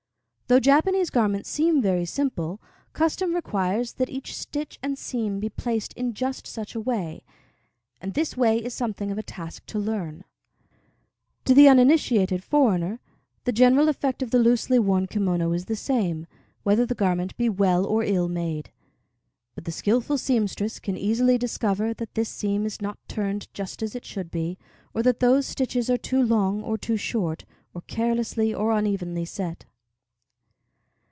Though Japanese garments seem very simple, custom requires that each stitch and seam be placed in just such a way; and this way is something of a task to learn. To the uninitiated foreigner, the general effect of the loosely worn kimono is the same, whether the garment be well or ill made; but the skillful seamstress can easily discover that this seam is not turned just as it should be, or that those stitches are too long or too short, or carelessly or unevenly set.